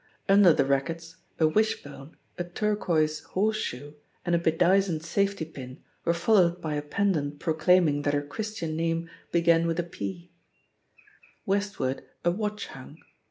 Under the rackets, a wish bone, a tur quoise horse shoe, and a bedizened safety pin were followed by a pendant proclaiming that her Christian name began with a P. Westward, a watch hung.